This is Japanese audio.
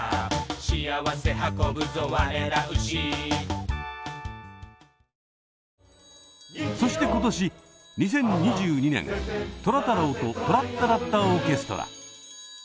「幸せ運ぶぞわれら牛」そして今年２０２２年「トラ太郎＆トラッタラッタオーケストラ」。